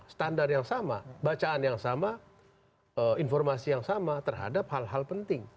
standar yang sama bacaan yang sama informasi yang sama terhadap hal hal penting